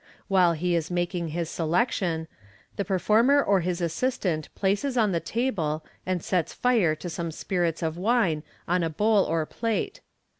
While he is making his selection, the performer or his assistant places on the table and sets fire to some spirits of wine on a bowl or plate.